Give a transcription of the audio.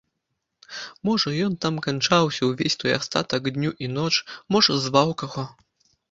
Можа ён там канчаўся ўвесь той астатак дню і ноч, можа зваў каго.